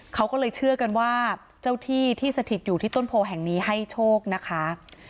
เขาก็เลยเชื่อกันว่าเจ้าที่ที่สถิตอยู่ที่ต้นโพแห่งนี้ให้โชคนะคะ